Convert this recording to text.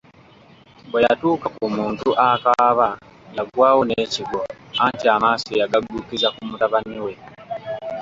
Bwe yatuuka ku muntu akaaba yagwawo nekigwo anti amaaso yagaggukkiza ku mutabani we.